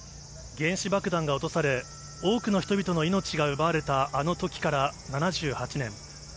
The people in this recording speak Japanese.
原子爆弾が落とされ、多くの人々の命が奪われたあのときから７８年。